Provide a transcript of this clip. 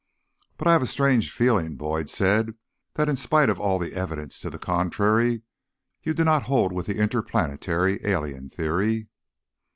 "But I have a strange feeling," Boyd said, "that, in spite of all the evidence to the contrary, you do not hold with the Interplanetary Alien Theory."